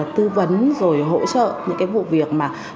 tư vấn rồi hỗ trợ những vụ việc